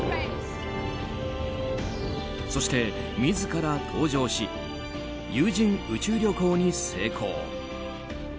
そして自ら搭乗し有人宇宙旅行に成功。